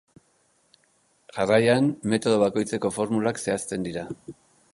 Jarraian, metodo bakoitzeko formulak zehazten dira.